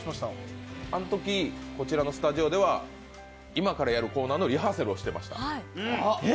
あのとき、こちらのスタジオでは今からやるコーナーのリハーサルをしてました。